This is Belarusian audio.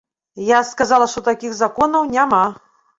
Я сказала, што такіх законаў няма.